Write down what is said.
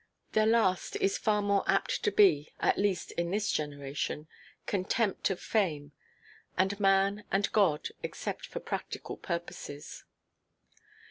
Their last is far more apt to be—at least in this generation—contempt of fame, and man, and God, except for practical purposes.